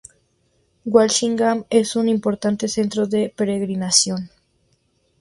Walsingham es un importante centro de peregrinación.